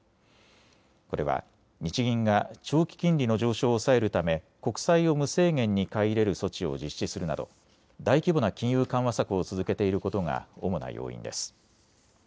これは日銀が長期金利の上昇を抑えるため国債を無制限に買い入れる措置を実施するなど大規模な金融緩和策を続けていることが主な要因です。